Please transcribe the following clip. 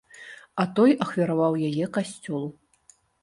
А той ахвяраваў яе касцёлу.